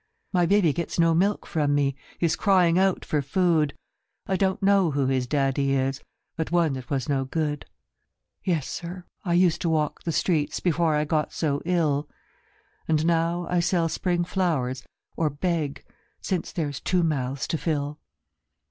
My baby gets no milk from me He's crying out for food ; I don't know who his daddy is But one that was no good, Yes, sir, I used to walk the streets Before I got so ill, And now I sell spring flowers or beg Since there's two mouths to fill.'